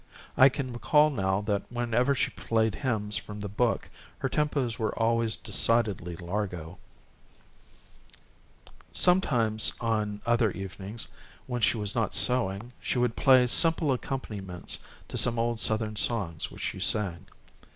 I can recall now that whenever she played hymns from the book her tempo was always decidedly largo. Sometimes on other evenings, when she was not sewing, she would play simple accompaniments to some old Southern songs which she sang.